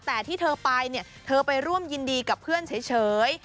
แต่ที่เธอไปเนี่ยเธอไปร่วมยินดีกับเพื่อนเฉย